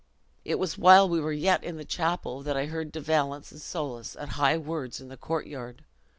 "It was while we were yet in the chapel that I heard De Valence and Soulis at high words in the courtyard.